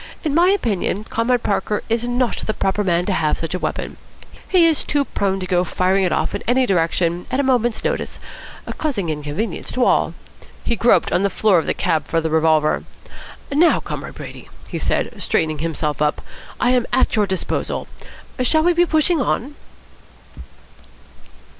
In my opinion, Comrade Parker is not the proper man to have such a weapon. He is too prone to go firing it off in any direction at a moment's notice, causing inconvenience to all." He groped on the floor of the cab for the revolver. "Now, Comrade Brady," he said, straightening himself up, "I am at your disposal. Shall we be pushing on?"